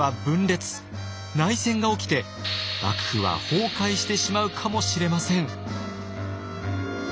内戦が起きて幕府は崩壊してしまうかもしれません。